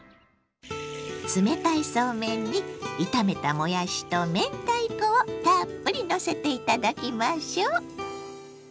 冷たいそうめんに炒めたもやしと明太子をたっぷりのせて頂きましょう！